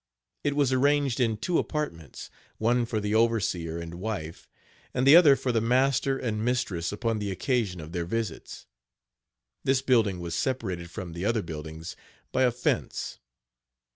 It was arranged in two appartments, one for the overseer and wife, and the other for the master and mistress upon the occasion of their visits. This building was separated from the other buildings by a fence.